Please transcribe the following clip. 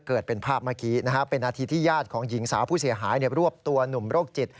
เกิดเป็นภาพเมื่อเชียงแยดของผู้เสียหายเนี่ยรวบตัวหนุ่มโรคจิต